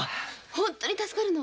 本当に助かるの。